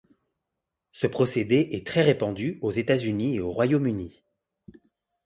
Ce procédé est très répandu aux États-Unis et au Royaume-Uni.